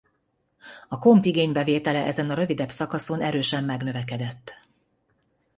A komp igénybevétele ezen a rövidebb szakaszon erősen megnövekedett.